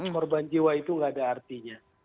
morban jiwa itu gak ada artinya